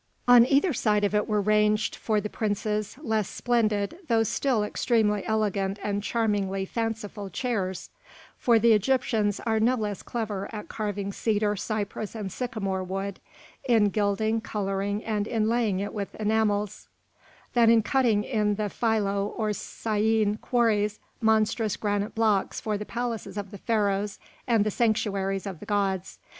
On either side of it were ranged, for the princes, less splendid, though still extremely elegant and charmingly fanciful chairs; for the Egyptians are no less clever at carving cedar, cypress, and sycamore wood, in gilding, colouring, and inlaying it with enamels, than in cutting in the Philoe or Syêné quarries monstrous granite blocks for the palaces of the Pharaohs and the sanctuaries of the gods.